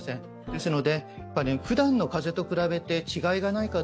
ですので、ふだんの風邪と比べて違いがないか